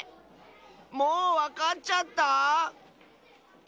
もうわかっちゃった？